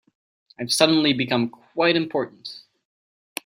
I've suddenly become quite important.